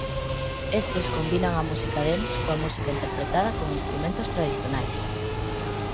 Estes combinan a música dance coa música interpretada con instrumentos tradicionais.